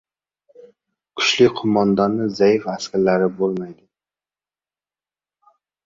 • Kuchli qo‘mondonning zaif askari bo‘lmaydi.